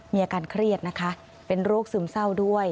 มีอาการเครียดนะคะเป็นโรคซึมเศร้าด้วย